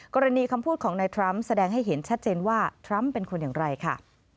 กรณีคำพูดของนายทรัมป์แสดงให้เห็นชัดเจนว่าทรัมป์เป็นคนอย่างไรค่ะ